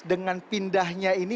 dengan pindahnya ini